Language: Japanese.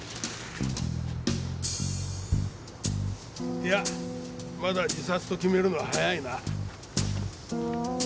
いやまだ自殺と決めるのは早いな。